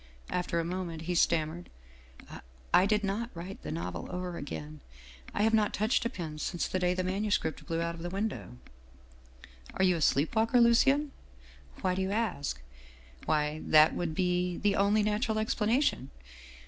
After a moment he stammered :"' I did not write the novel over again. I have not touched a pen since the day the manuscript blew out of the window.' "' Are you a sleep walker, Lucien ?' "'Why do you ask?' "' Why, that would be the only natural explanation.